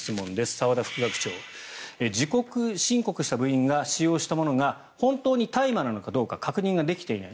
澤田副学長、自己申告した部員が使用したものが本当に大麻なのかどうか確認ができていない。